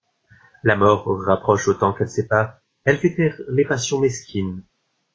La mort rapproche autant qu’elle sépare, elle fait taire les passions mesquines.